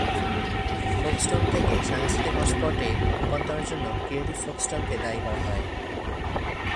Folkestone থেকে সাংস্কৃতিক হটস্পটে রূপান্তরের জন্য ক্রিয়েটিভ ফোকস্টোনকে দায়ী করা হয়।